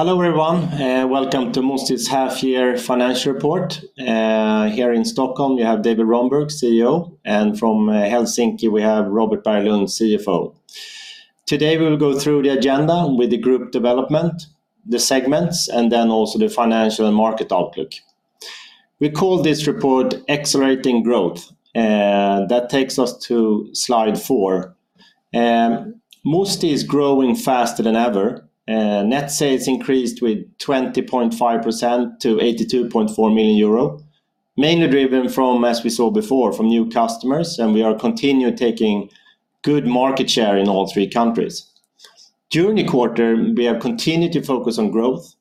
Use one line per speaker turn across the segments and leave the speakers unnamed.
Hello, everyone, and welcome to Musti's half-year financial report. Here in Stockholm, we have David Rönnberg, CEO, and from Helsinki, we have Robert Berglund, CFO. Today, we will go through the agenda with the group development, the segments, then also the financial and market outlook. We call this report Accelerating Growth. That takes us to slide four. Musti is growing faster than ever. Net sales increased with 20.5% to 82.4 million euro, mainly driven from, as we saw before, from new customers. We are continued taking good market share in all three countries. During the quarter, we have continued to focus on growth,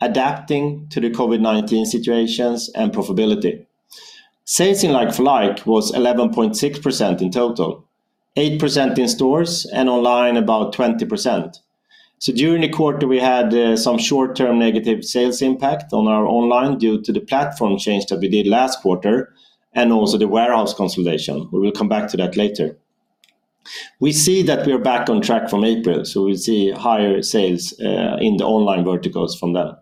adapting to the COVID-19 situations, and profitability. Sales like-for-like was 11.6% in total, 8% in stores, and online about 20%. During the quarter, we had some short-term negative sales impact on our online due to the platform change that we did last quarter and also the warehouse consolidation. We will come back to that later. We see that we are back on track from April, we see higher sales in the online verticals from there.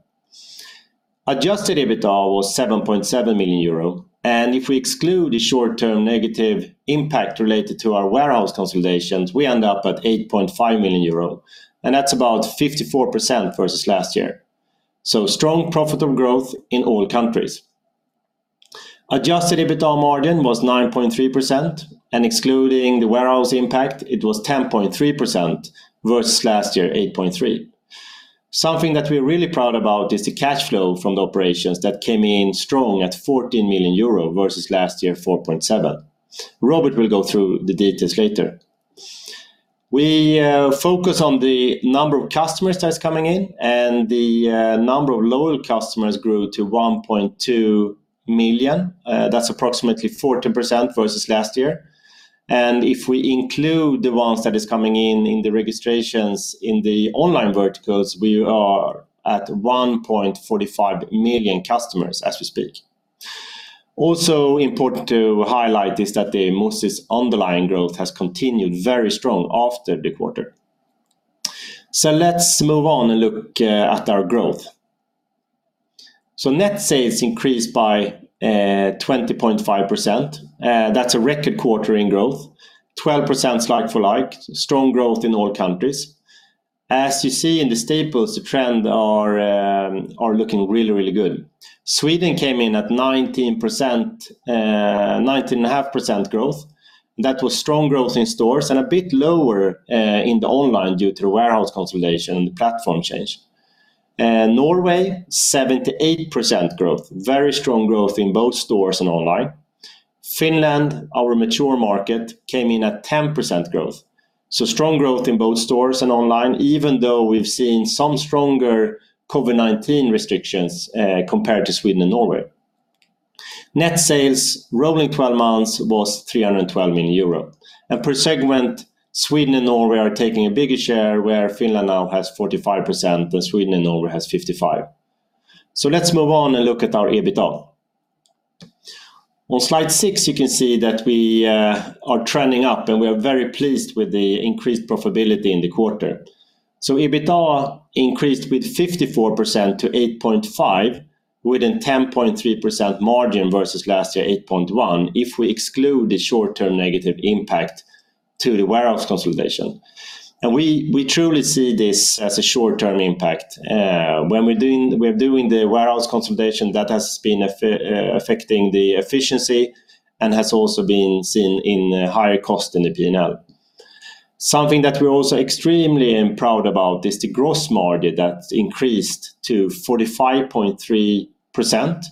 Adjusted EBITDA was 7.7 million euro. If we exclude the short-term negative impact related to our warehouse consolidations, we end up at 8.5 million euro. That's about 54% versus last year. Strong profitable growth in all countries. Adjusted EBITDA margin was 9.3%, and excluding the warehouse impact, it was 10.3% versus last year, 8.3%. Something that we're really proud about is the cash flow from the operations that came in strong at 14 million euro versus last year, 4.7. Robert will go through the details later. We focus on the number of customers that's coming in, the number of loyal customers grew to 1.2 million. That's approximately 14% versus last year. If we include the ones that is coming in in the registrations in the online verticals, we are at 1.45 million customers as we speak. Also important to highlight is that Musti's underlying growth has continued very strong after the quarter. Let's move on and look at our growth. Net sales increased by 20.5%. That's a record quarter in growth, 12% like-for-like, strong growth in all countries. As you see in the staples, the trend are looking really, really good. Sweden came in at 19.5% growth. That was strong growth in stores and a bit lower in the online due to the warehouse consolidation and the platform change. Norway, 78% growth. Very strong growth in both stores and online. Finland, our mature market, came in at 10% growth. Strong growth in both stores and online, even though we've seen some stronger COVID-19 restrictions compared to Sweden and Norway. Net sales rolling 12 months was 312 million euro. Per segment, Sweden and Norway are taking a bigger share where Finland now has 45%, but Sweden and Norway has 55%. Let's move on and look at our EBITDA. On slide six, you can see that we are trending up, and we are very pleased with the increased profitability in the quarter. EBITDA increased with 54% to 8.5 with a 10.3% margin versus last year, 8.1, if we exclude the short-term negative impact to the warehouse consolidation. We truly see this as a short-term impact. When we're doing the warehouse consolidation, that has been affecting the efficiency and has also been seen in higher cost in the P&L. Something that we're also extremely proud about is the gross margin that increased to 45.3%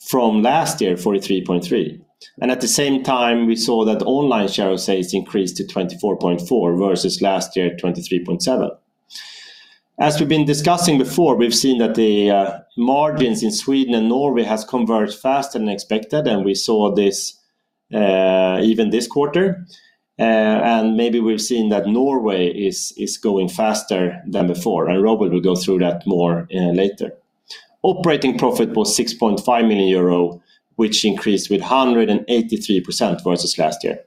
from last year, 43.3%. At the same time, we saw that online share of sales increased to 24.4% versus last year, 23.7%. As we've been discussing before, we've seen that the margins in Sweden and Norway has converged faster than expected, and we saw this even this quarter. Maybe we've seen that Norway is going faster than before. Robert will go through that more later. Operating profit was 6.5 million euro, which increased with 183% versus last year.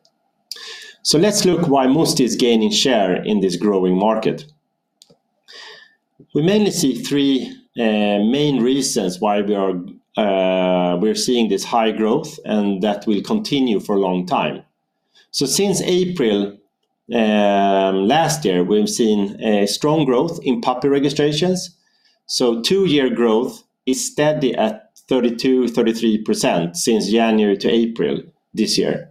Let's look why Musti is gaining share in this growing market. We mainly see three main reasons why we're seeing this high growth and that will continue for a long time. Since April last year, we've seen a strong growth in puppy registrations. two year growth is steady at 32%, 33% since January to April this year.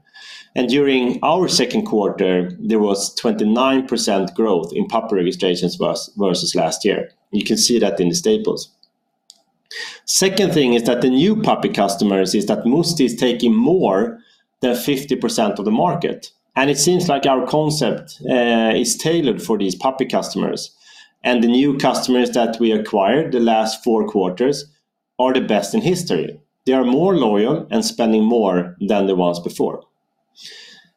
During our second quarter, there was 29% growth in puppy registrations versus last year. You can see that in the staples. Second thing is that the new puppy customers is that Musti is taking more than 50% of the market. It seems like our concept is tailored for these puppy customers. The new customers that we acquired the last four quarters are the best in history. They are more loyal and spending more than the ones before.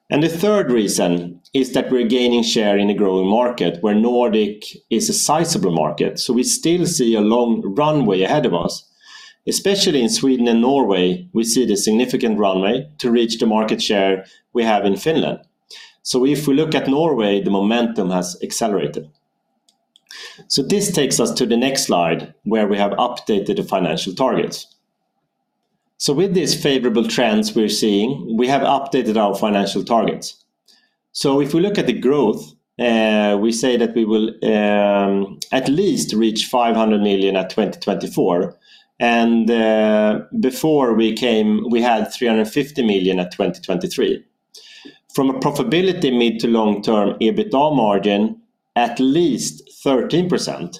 The third reason is that we're gaining share in a growing market where Nordic is a sizable market. We still see a long runway ahead of us. Especially in Sweden and Norway, we see the significant runway to reach the market share we have in Finland. If we look at Norway, the momentum has accelerated. This takes us to the next slide where we have updated the financial targets. With these favorable trends we're seeing, we have updated our financial targets. If we look at the growth, we say that we will at least reach 500 million at 2024, and before we had 350 million at 2023. From a profitability mid to long term, EBITDA margin at least 13%.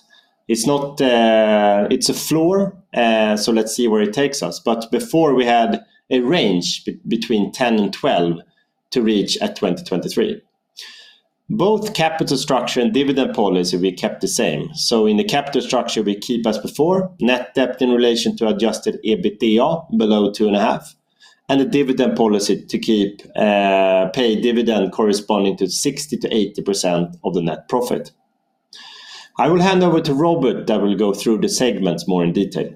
It's a floor, let's see where it takes us. Before we had a range between 10%-12% to reach at 2023. Both capital structure and dividend policy will be kept the same. In the capital structure we keep as before, net debt in relation to adjusted EBITDA below 2.5, and the dividend policy to keep pay dividend corresponding to 60%-80% of the net profit. I will hand over to Robert that will go through the segments more in detail.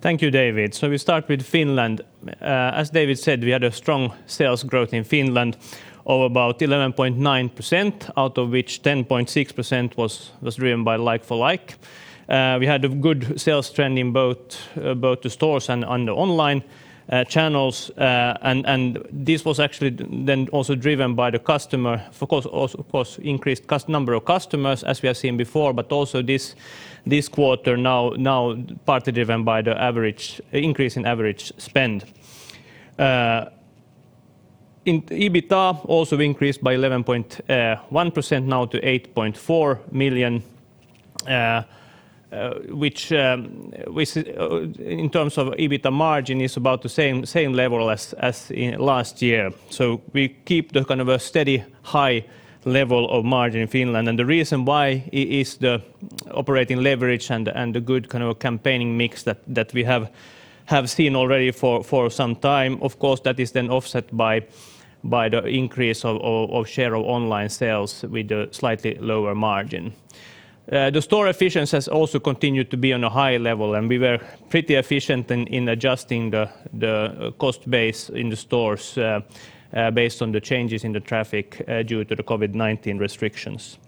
Thank you, David. We start with Finland. As David said, we had a strong sales growth in Finland of about 11.9%, out of which 10.6% was driven by like-for-like. We had a good sales trend in both the stores and on the online channels. This was actually also driven by the customer, of course increased number of customers as we have seen before, but also this quarter now partly driven by the increase in average spend. EBITDA also increased by 11.1%, now to EUR 8.4 million, which in terms of EBITDA margin is about the same level as last year. We keep the kind of a steady high level of margin in Finland. The reason why is the operating leverage and the good kind of campaigning mix that we have seen already for some time. Of course, that is then offset by the increase of share of online sales with a slightly lower margin. The store efficiency has also continued to be on a high level, and we were pretty efficient in adjusting the cost base in the stores based on the changes in the traffic due to the COVID-19 restrictions.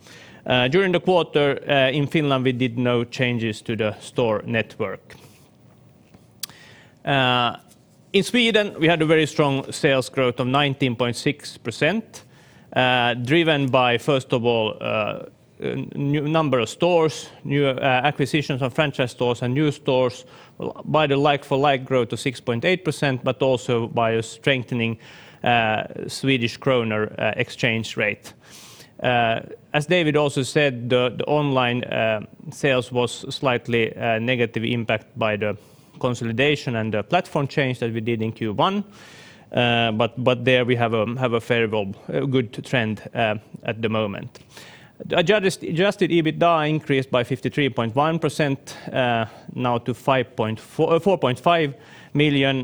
During the quarter, in Finland, we did no changes to the store network. In Sweden we had a very strong sales growth of 19.6%, driven by, first of all, number of stores, new acquisitions of franchise stores and new stores by the like-for-like growth of 6.8%, but also by a strengthening Swedish krona exchange rate. As David Rönnberg also said, the online sales was slightly negatively impact by the consolidation and the platform change that we did in Q1. There we have a good trend at the moment. Adjusted EBITDA increased by 53.1%, now to 4.5 million,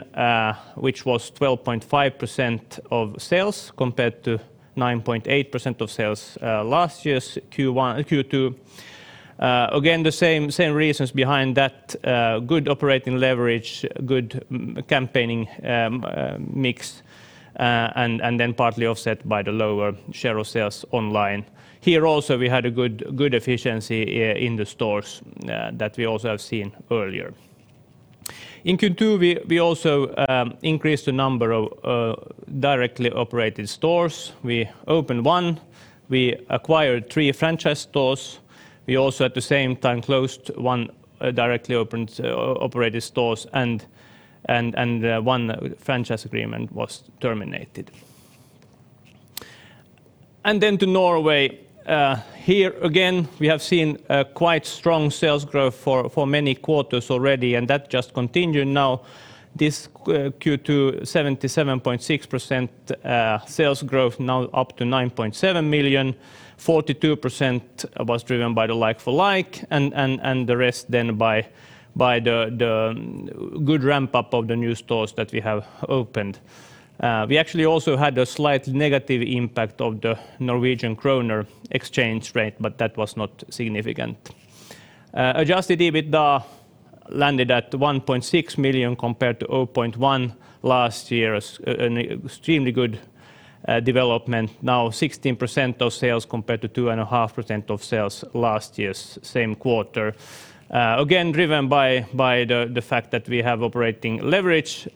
which was 12.5% of sales compared to 9.8% of sales last year's Q2. Again, the same reasons behind that, good operating leverage, good campaigning mix, and then partly offset by the lower share of sales online. Here also we had a good efficiency in the stores that we also have seen earlier. In Q2, we also increased the number of directly operated stores. We opened one, we acquired three franchise stores. We also at the same time closed one directly operated stores and one franchise agreement was terminated. Then to Norway. Here again, we have seen a quite strong sales growth for many quarters already. That just continued now this Q2, 77.6% sales growth now up to 9.7 million. 42% was driven by the Like-for-like and the rest then by the good ramp-up of the new stores that we have opened. We actually also had a slight negative impact of the Norwegian krone exchange rate. That was not significant. Adjusted EBITDA landed at 1.6 million compared to 0.1 last year, an extremely good development. Now 16% of sales compared to 2.5% of sales last year's same quarter. Again, driven by the fact that we have operating leverage.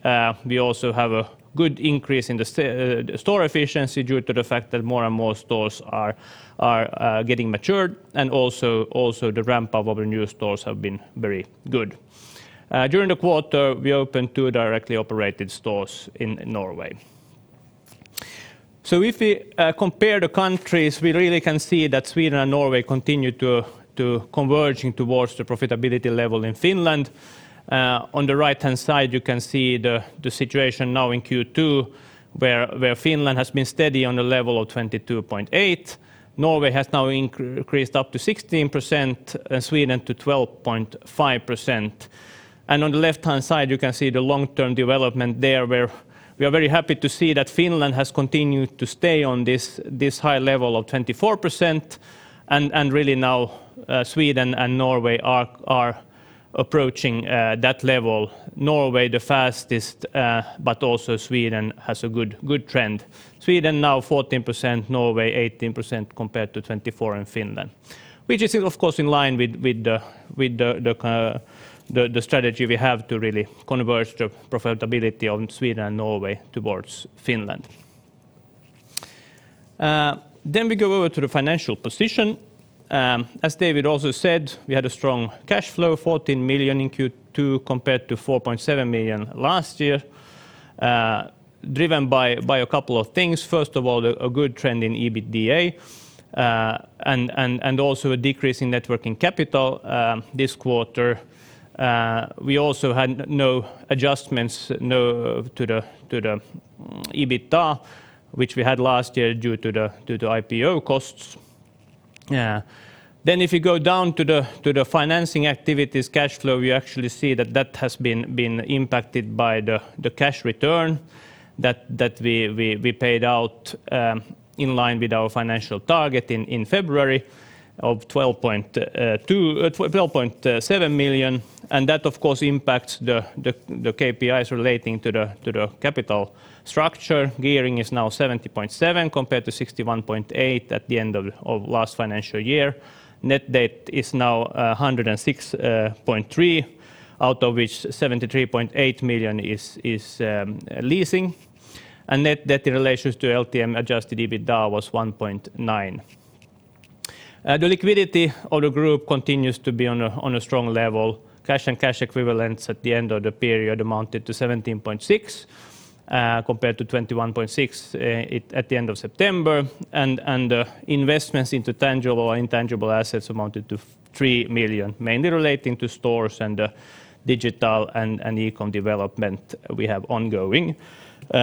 We also have a good increase in the store efficiency due to the fact that more and more stores are getting matured and also the ramp-up of our new stores have been very good. During the quarter, we opened two directly operated stores in Norway. If we compare the countries, we really can see that Sweden and Norway continue to converging towards the profitability level in Finland. On the right-hand side, you can see the situation now in Q2 where Finland has been steady on the level of 22.8. Norway has now increased up to 16%, Sweden to 12.5%. And on the left-hand side, you can see the long-term development there, where we are very happy to see that Finland has continued to stay on this high level of 24%. Really now Sweden and Norway are approaching that level. Norway the fastest, also Sweden has a good trend. Sweden now 14%, Norway 18%, compared to 24 in Finland. Which is of course in line with the strategy we have to really converge the profitability of Sweden and Norway towards Finland. We go over to the financial position. As David also said, we had a strong cash flow, 14 million in Q2 compared to 4.7 million last year, driven by a couple of things. First of all, a good trend in EBITDA, and also a decrease in net working capital this quarter. We also had no adjustments to the EBITDA, which we had last year due to the IPO costs. If you go down to the financing activities cash flow, we actually see that that has been impacted by the cash return that we paid out in line with our financial target in February of 12.7 million. That of course impacts the KPIs relating to the capital structure. Gearing is now 70.7% compared to 61.8% at the end of last financial year. Net debt is now 106.3 million, out of which 73.8 million is leasing. Net debt in relation to LTM adjusted EBITDA was 1.9. The liquidity of the group continues to be on a strong level. Cash and cash equivalents at the end of the period amounted to 17.6, compared to 21.6 at the end of September. The investments into tangible or intangible assets amounted to 3 million, mainly relating to stores and digital and e-com development we have ongoing. We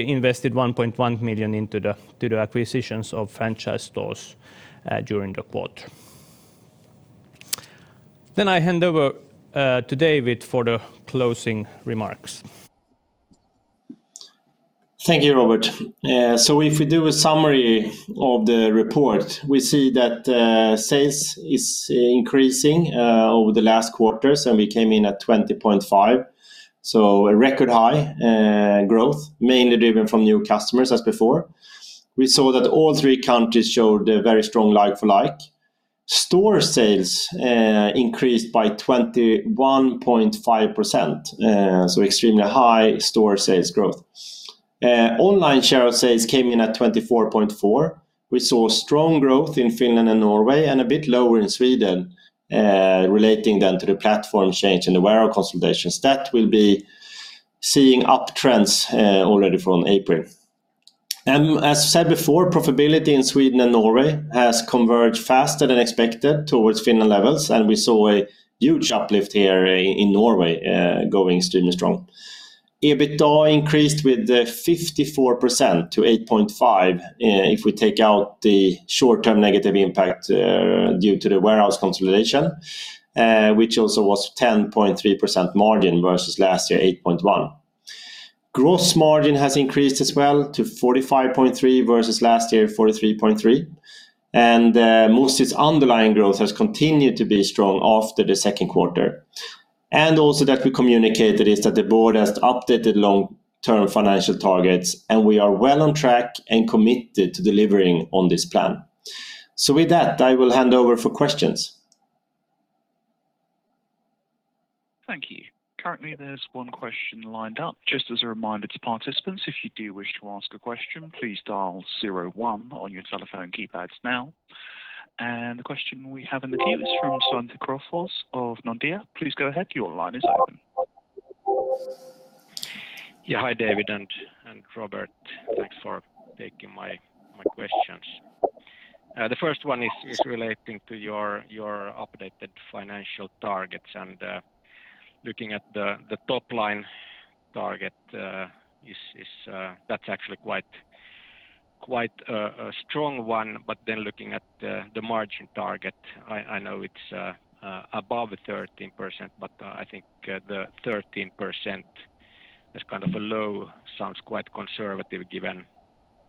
invested 1.1 million into the acquisitions of franchise stores during the quarter. I hand over to David for the closing remarks.
Thank you, Robert. If we do a summary of the report, we see that sales is increasing over the last quarters, and we came in at 20.5%. A record-high growth, mainly driven from new customers as before. We saw that all three countries showed a very strong like-for-like. Store sales increased by 21.5%, so extremely high store sales growth. Online share of sales came in at 24.4%. We saw strong growth in Finland and Norway, and a bit lower in Sweden, relating then to the platform change and the warehouse consolidations. That will be seeing uptrends already from April. As I said before, profitability in Sweden and Norway has converged faster than expected towards Finland levels, and we saw a huge uplift here in Norway going extremely strong. EBITDA increased with 54% to 8.5 if we take out the short-term negative impact due to the warehouse consolidation, which also was 10.3% margin versus last year, 8.1%. Gross margin has increased as well to 45.3% versus last year, 43.3%. Musti's underlying growth has continued to be strong after the second quarter. Also that we communicated is that the board has updated long-term financial targets, and we are well on track and committed to delivering on this plan. With that, I will hand over for questions.
Thank you. Currently, there's one question lined up. Just as a reminder to participants, if you do wish to ask a question, please dial zero one on your telephone keypads now. The question we have in the queue is from Svantje Kruse of Nordea. Please go ahead, your line is open.
Yeah, hi David and Robert. Thanks for taking my questions. The first one is relating to your updated financial targets. Looking at the top-line target, that's actually quite a strong one. Looking at the margin target, I know it's above 13%, but I think the 13% is kind of low, sounds quite conservative given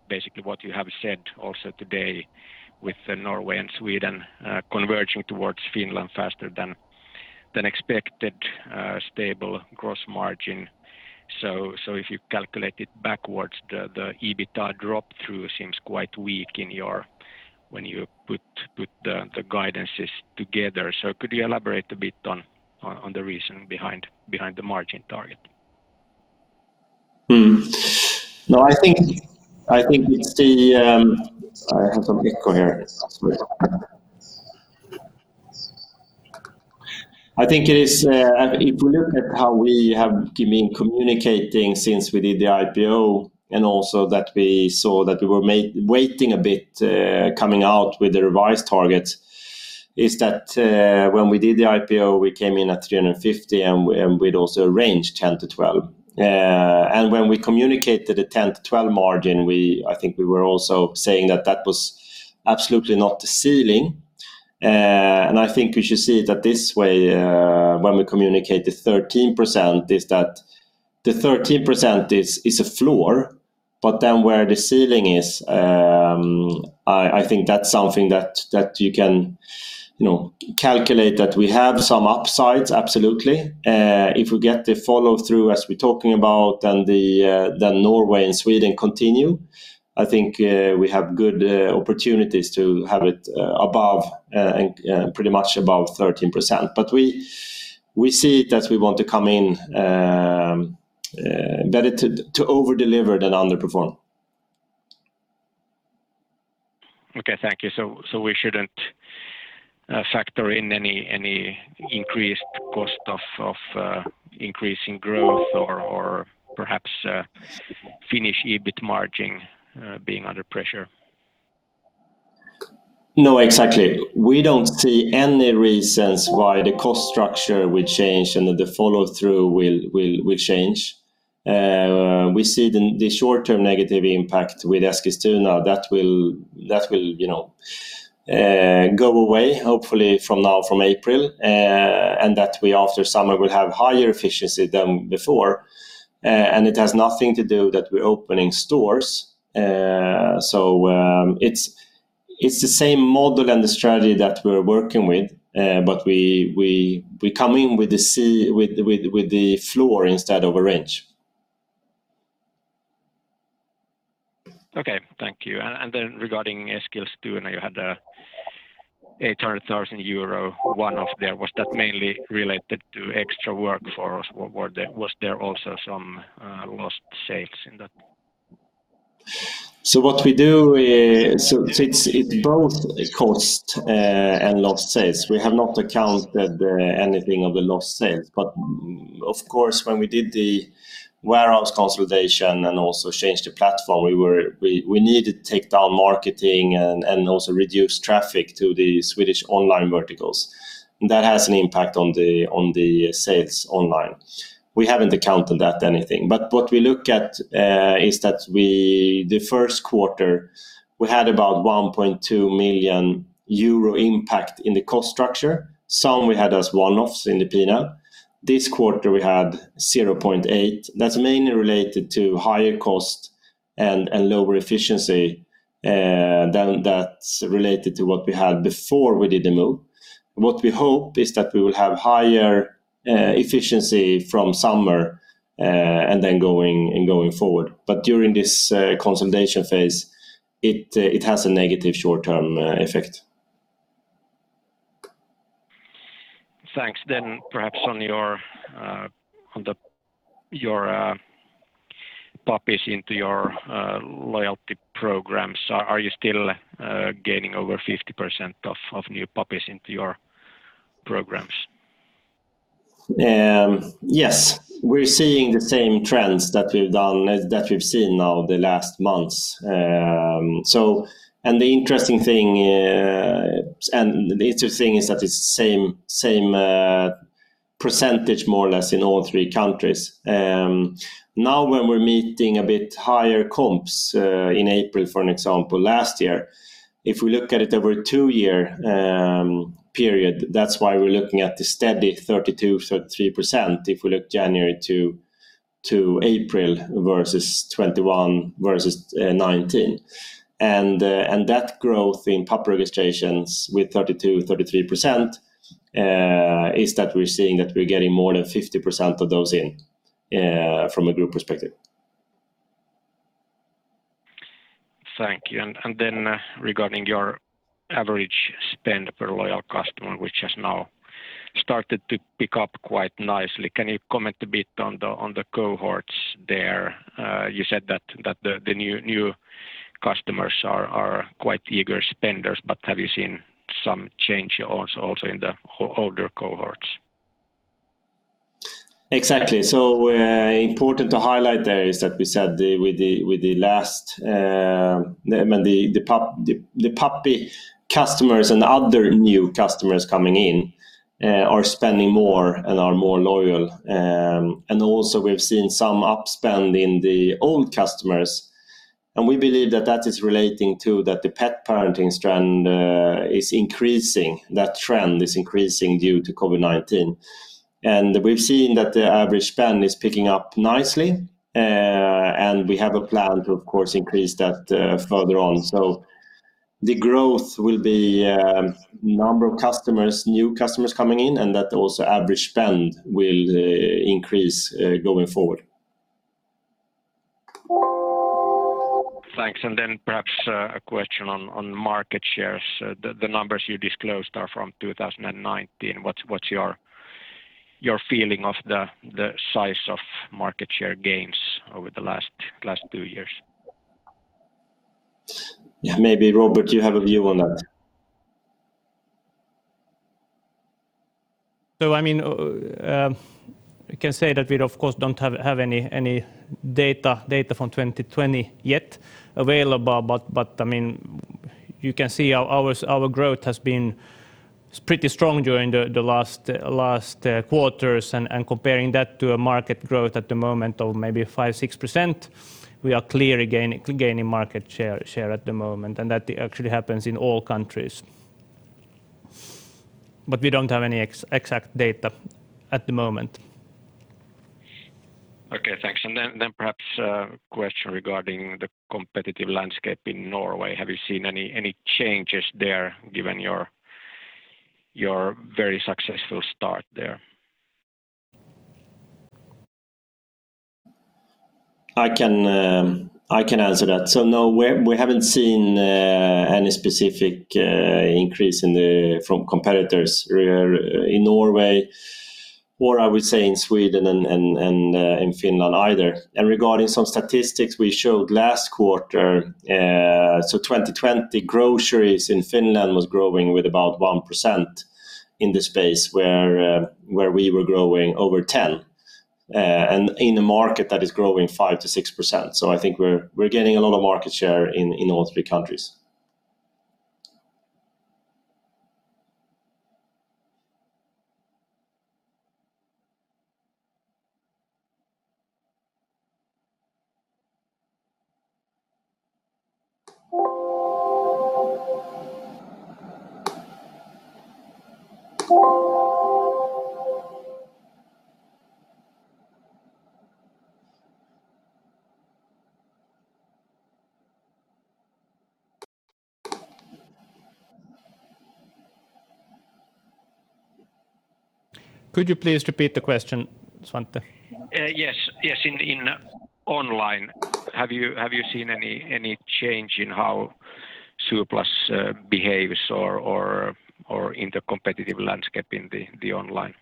basically what you have said also today with Norway and Sweden converging towards Finland faster than expected, stable gross margin. If you calculate it backwards, the EBITDA drop through seems quite weak when you put the guidances together. Could you elaborate a bit on the reasoning behind the margin target?
I have some echo here, sorry. I think if we look at how we have been communicating since we did the IPO, also that we saw that we were waiting a bit coming out with the revised targets, is that when we did the IPO, we came in at 350, we'd also arranged 10%-12%. When we communicated a 10%-12% margin, I think we were also saying that that was absolutely not the ceiling. I think you should see it that this way, when we communicate the 13%, is that the 13% is a floor, where the ceiling is, I think that's something that you can calculate that we have some upsides, absolutely. If we get the follow-through as we're talking about, Norway and Sweden continue. I think we have good opportunities to have it pretty much above 13%. We see it that we want to come in, better to overdeliver than underperform.
Okay, thank you. We shouldn't factor in any increased cost of increasing growth or perhaps Finnish EBIT margin being under pressure?
No, exactly. We don't see any reasons why the cost structure will change and the follow-through will change. We see the short-term negative impact with Eskilstuna, that will go away, hopefully from now, from April, and that we after summer will have higher efficiency than before. It has nothing to do that we're opening stores. It's the same model and the strategy that we're working with. We come in with the floor instead of a range.
Okay, thank you. Regarding Eskilstuna, you had a 800,000 euro one-off there. Was that mainly related to extra workforce, or was there also some lost sales in that?
It's both cost and lost sales. We have not accounted anything of the lost sales. Of course, when we did the warehouse consolidation and also changed the platform, we needed to take down marketing and also reduce traffic to the Swedish online verticals. That has an impact on the sales online. We haven't accounted that anything. What we look at is that the first quarter, we had about 1.2 million euro impact in the cost structure. Some we had as one-offs in the P&L. This quarter, we had 0.8. That's mainly related to higher cost and lower efficiency than that's related to what we had before we did the move. What we hope is that we will have higher efficiency from summer and then going forward. During this consolidation phase, it has a negative short-term effect.
Thanks. Perhaps on the puppies into your loyalty programs, are you still gaining over 50% of new puppies into your programs?
Yes. We're seeing the same trends that we've seen now the last months. The interesting thing is that it's the same percentage, more or less, in all three countries. Now when we're meeting a bit higher comps in April, for an example, last year, if we look at it over a two-year period, that's why we're looking at the steady 32%, 33%, if we look January to April versus 2021 versus 2019. That growth in pup registrations with 32%, 33% is that we're seeing that we're getting more than 50% of those in from a group perspective.
Thank you. Regarding your average spend per loyal customer, which has now started to pick up quite nicely, can you comment a bit on the cohorts there? You said that the new customers are quite eager spenders, have you seen some change also in the older cohorts?
Exactly. Important to highlight there is that we said with the puppy customers and other new customers coming in are spending more and are more loyal. Also we've seen some up-spend in the old customers, and we believe that that is relating to that the pet parenting strand is increasing. That trend is increasing due to COVID-19. We've seen that the average spend is picking up nicely, and we have a plan to, of course, increase that further on. The growth will be number of customers, new customers coming in, and that also average spend will increase going forward.
Thanks. Perhaps a question on market shares. The numbers you disclosed are from 2019. What's your feeling of the size of market share gains over the last two years?
Maybe, Robert, you have a view on that?
I can say that we, of course, don't have any data from 2020 yet available, but you can see our growth has been pretty strong during the last quarters, and comparing that to a market growth at the moment of maybe 5%, 6%, we are clearly gaining market share at the moment, and that actually happens in all countries. We don't have any exact data at the moment.
Okay, thanks. Perhaps a question regarding the competitive landscape in Norway. Have you seen any changes there given your very successful start there?
I can answer that. No, we haven't seen any specific increase from competitors in Norway, or I would say in Sweden and in Finland either. Regarding some statistics we showed last quarter, 2020, groceries in Finland was growing with about 1% in the space where we were growing over 10%, and in a market that is growing 5%-6%. I think we're gaining a lot of market share in all three countries.
Could you please repeat the question, Svantje?
Yes. In online, have you seen any change in how Zooplus behaves or in the competitive landscape in the online?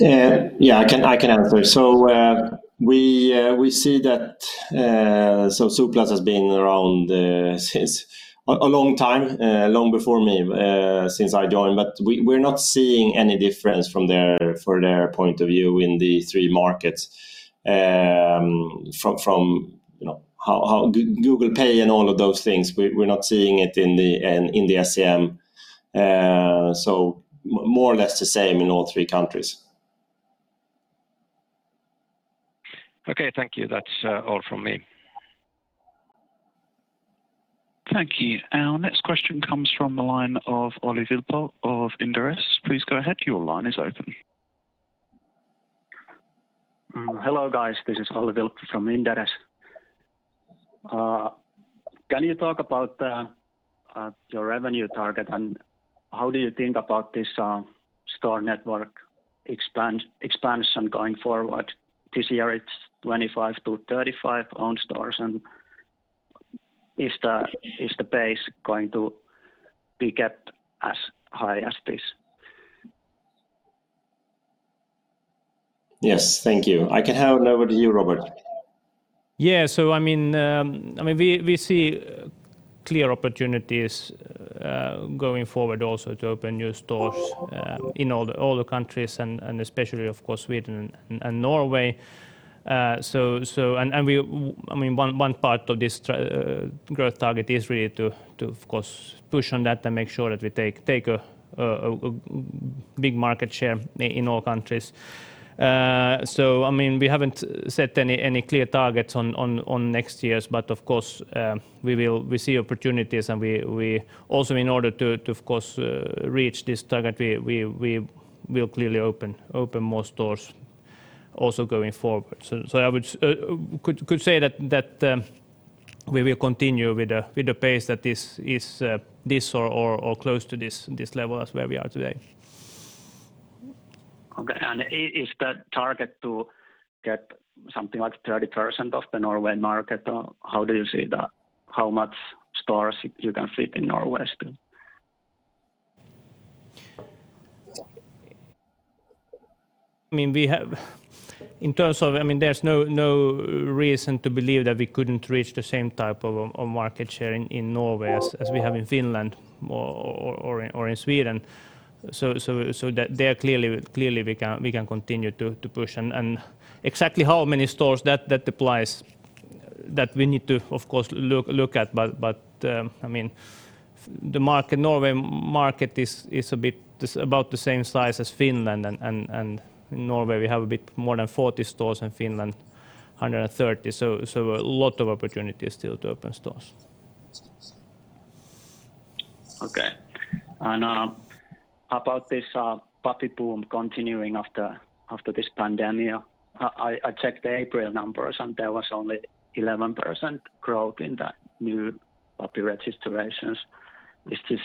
I can answer. We see that Zooplus has been around since a long time, long before me, since I joined. We're not seeing any difference from their point of view in the three markets. From how Google Pay and all of those things, we're not seeing it in the SEM. More or less the same in all three countries.
Okay, thank you. That's all from me.
Thank you. Our next question comes from the line of Olli Vilppo of Inderes. Please go ahead. Your line is open.
Hello, guys. This is Olli Vilppo from Inderes. Can you talk about your revenue target, and how do you think about this store network expansion going forward? This year it's 25 to 35 own stores, and is the pace going to be kept as high as this?
Yes. Thank you. I can hand over to you, Robert.
Yeah. We see clear opportunities going forward also to open new stores in all the countries and especially, of course, Sweden and Norway. One part of this growth target is really to, of course, push on that and make sure that we take a big market share in all countries. We haven't set any clear targets on next year's, but of course, we see opportunities and also in order to, of course, reach this target, we will clearly open more stores also going forward. I could say that we will continue with the pace that is this or close to this level as where we are today.
Okay. Is the target to get something like 30% of the Norway market, or how do you see that? How many stores you can fit in Norway still?
There's no reason to believe that we couldn't reach the same type of market share in Norway as we have in Finland or in Sweden. There, clearly we can continue to push. Exactly how many stores that applies, that we need to, of course, look at. The Norway market is about the same size as Finland, and in Norway, we have a bit more than 40 stores, in Finland, 130. A lot of opportunities still to open stores.
Okay. About this puppy boom continuing after this pandemia. I checked the April numbers, and there was only 11% growth in the new puppy registrations. This is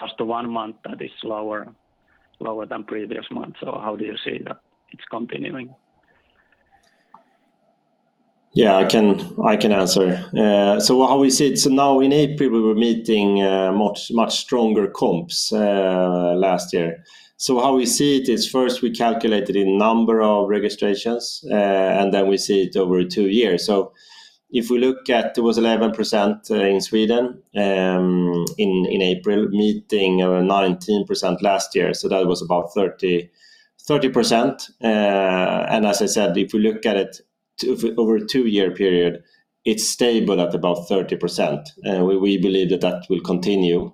just one month that is lower than previous months. How do you see that it's continuing?
Yeah, I can answer. How we see it, now in April, we were meeting much stronger comps last year. How we see it is first we calculate it in number of registrations, and then we see it over two years. If we look at, it was 11% in Sweden in April, meeting 19% last year, so that was about 30%. As I said, if you look at it over a two-year period, it's stable at about 30%. We believe that will continue.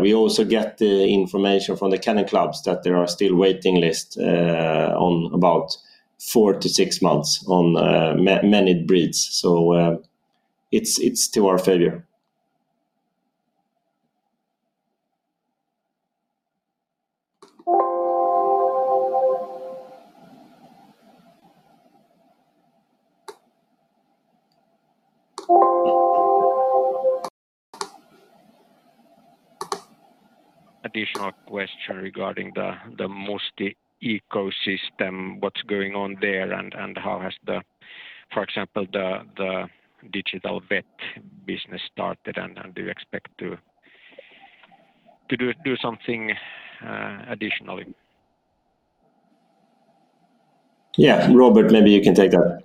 We also get the information from the kennel clubs that there are still waiting lists on about 4-6 months on many breeds. It's to our favor.
Additional question regarding the Musti ecosystem, what's going on there, and how has, for example, the digital vet business started, and do you expect to do something additionally?
Robert, maybe you can take that.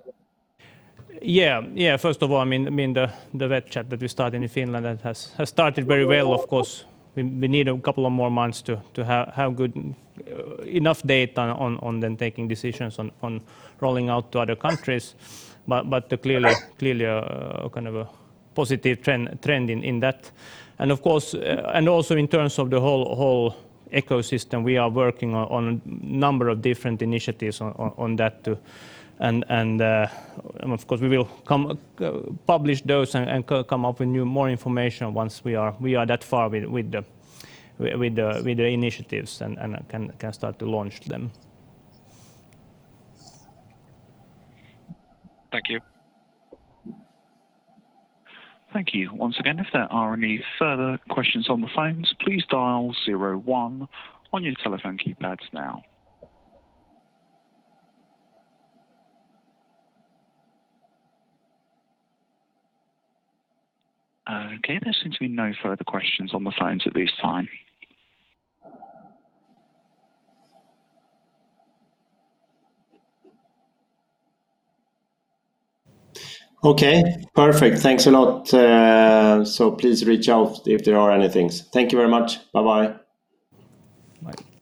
Yeah. First of all, the vet chat that we started in Finland has started very well. Of course, we need a couple of more months to have enough data on then taking decisions on rolling out to other countries. Clearly a kind of a positive trend in that. Also in terms of the whole ecosystem, we are working on a number of different initiatives on that too. Of course, we will publish those and come up with more information once we are that far with the initiatives and can start to launch them.
Thank you.
Thank you. Once again, if there are any further questions on the phones, please dial zero one on your telephone keypads now. Okay, there seems to be no further questions on the phones at this time.
Okay, perfect. Thanks a lot. Please reach out if there are anything. Thank you very much. Bye-bye.
Bye.